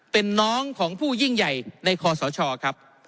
เป็นน้องของผู้ยิ่งใหญ่ในคอสชครับ